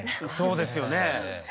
そうですよね。